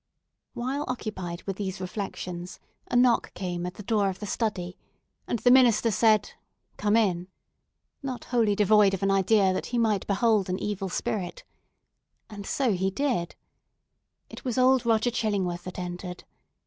While occupied with these reflections, a knock came at the door of the study, and the minister said, "Come in!"—not wholly devoid of an idea that he might behold an evil spirit. And so he did! It was old Roger Chillingworth that entered.